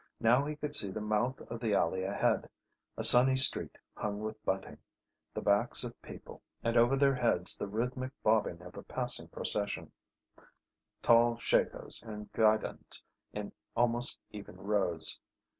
Now he could see the mouth of the alley ahead, a sunny street hung with bunting, the backs of people, and over their heads the rhythmic bobbing of a passing procession, tall shakos and guidons in almost even rows.